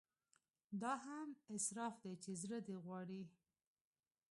دا هم اسراف دی چې زړه دې غواړي.